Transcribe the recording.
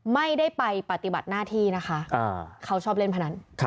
ไม่ได้ไปปฏิบัติหน้าที่นะคะเขาชอบเล่นพนัน